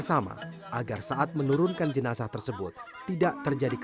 sekarang di laptop ini bantuan reflex sudah merekam